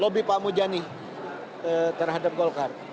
lobby pak mujani terhadap golkar